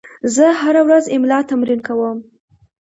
زه هره ورځ املا تمرین کوم.